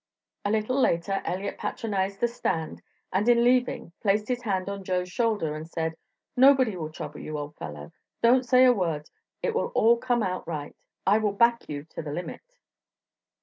A little later Elliott patronized the stand, and in leaving placed his hand on Joe's shoulder and said: "Nobody will trouble you, old fellow. Don't say a word; it will all come out right. I will back you to the limit."